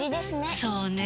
そうねぇ。